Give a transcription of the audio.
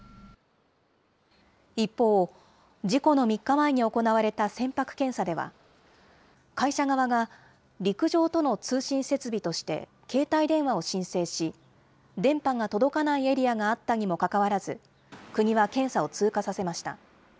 一方、事故の３日前に行われた船舶検査では、会社側が陸上との通信設備として、携帯電話を申請し、電波が届かないエリアがあったにもかかわらず、国は検査を通過させました。